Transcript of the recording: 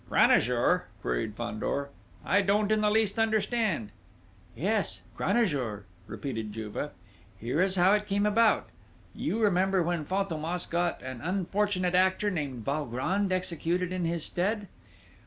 "Cranajour?" queried Fandor, "I don't in the least understand." "Yes, Cranajour," repeated Juve. "Here is how it came about. You remember when Fantômas got an unfortunate actor named Valgrand executed in his stead?